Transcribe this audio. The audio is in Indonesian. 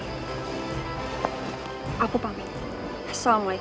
hai aku pamit assalamualaikum